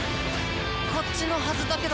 こっちのはずだけど。